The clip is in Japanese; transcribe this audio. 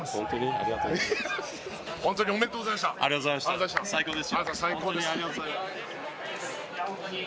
ありがとうございます。